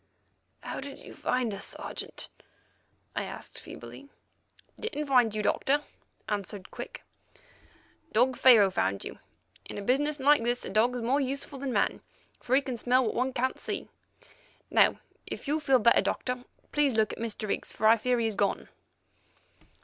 "How did you find us, Sergeant?" I asked feebly. "Didn't find you, Doctor," answered Quick, "dog Pharaoh found you. In a business like this a dog is more useful than man, for he can smell what one can't see. Now, if you feel better, Doctor, please look at Mr. Higgs, for I fear he's gone."